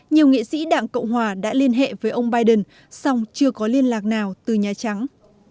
nhiều nghị sĩ đảng cộng hòa đã liên hệ với ông biden song chưa có liên lạc nào từ nhà trắng